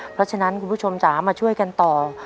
เพราะฉะนั้นคุณผู้ชมจ๋ามาช่วยกันต่อ